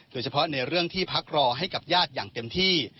โดยเฉพาะในเรื่องที่พักรอให้กับญาติอย่างเต็มที่